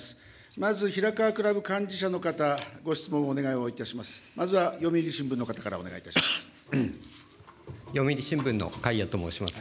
まず平河クラブ幹事社の方、ご質問、お願いをいたします。